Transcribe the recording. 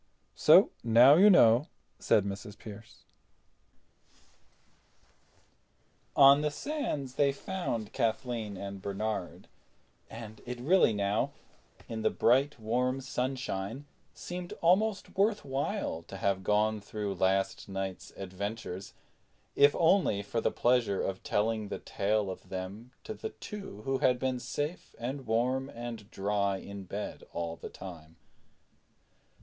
So now you know," said Mrs. Pearce. On the sands they found Kathleen and Bernard, and it really now, in the bright warm sunshine, seemed almost worthwhile to have gone through last night's adventures, if only for the pleasure of telling the tale of them to the two who had been safe and warm and dry in bed all the time.